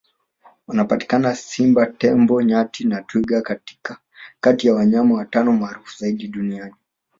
wanapatikana simba tembo nyati na twiga kati ya wanyama watano maarufu zaidi duniani